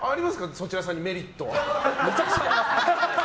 そちらさんにメリットは。